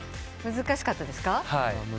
難しかったですね。